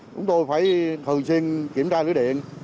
chúng tôi phải thường xuyên kiểm tra lưới điện